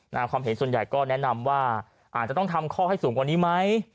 ความเห็นส่วนใหญ่ก็แนะนำว่าอาจจะต้องทำข้อให้สูงกว่านี้ไหม